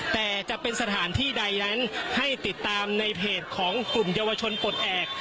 แต่จะเป็นสถานที่ใดนั้นให้ติดตามในเพจของกลุ่มเยาวชนปลดแอบ